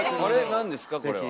なんですかこれは。